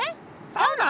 サウナ！？